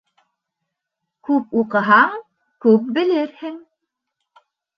Күп уҡыһаң, күп белерһең.